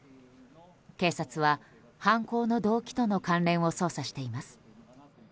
警察は犯行の動機との関連を捜査しています。